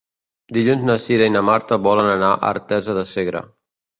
Dilluns na Cira i na Marta volen anar a Artesa de Segre.